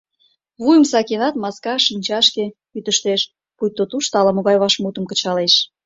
Вуйым сакенат, маска шинчашке кӱтыштеш, пуйто тушто ала-могай вашмутым кычалеш.